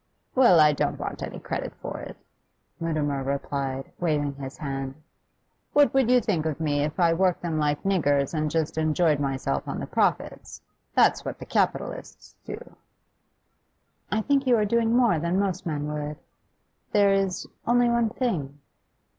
'Well, I don't want any credit for it,' Mutimer replied, waving his hand. 'What would you think of me if I worked them like niggers and just enjoyed myself on the profits? That's what the capitalists do.' 'I think you are doing more than most men would. There is only one thing.